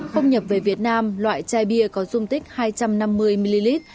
không nhập về việt nam loại chai bia có dung tích hai trăm năm mươi ml